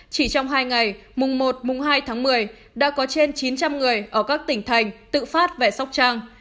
chỉ trong hai ngày mùng một mùng hai tháng một mươi đã có trên chín trăm linh người ở các tỉnh thành tự phát về sóc trang